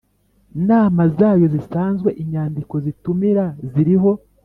nama zayo zisanzwe Inyandiko zitumira ziriho